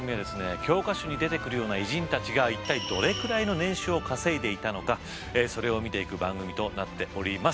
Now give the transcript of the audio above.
教科書に出てくるような偉人たちが一体どれくらいの年収を稼いでいたのかそれを見ていく番組となっております。